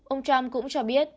ông trump cũng cho biết